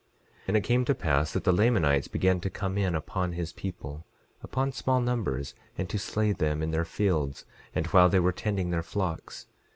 11:16 And it came to pass that the Lamanites began to come in upon his people, upon small numbers, and to slay them in their fields, and while they were tending their flocks.